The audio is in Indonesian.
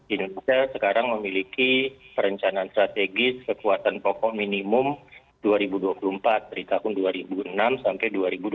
indonesia sekarang memiliki perencanaan strategis kekuatan pokok minimum dua ribu dua puluh empat dari tahun dua ribu enam sampai dua ribu dua puluh